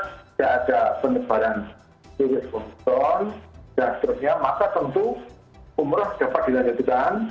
tidak ada penyebaran covid sembilan belas maka tentu umroh dapat dilanjutkan